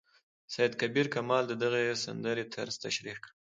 سید کبیر کمال د دغې سندرې طرز تشریح کړ.